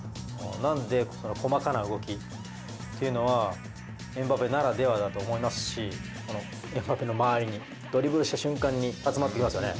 なんで、細かな動きというのは、エムバペならではだと思いますし、エムバペの周りに、ドリブルした瞬間に集まってきますよね。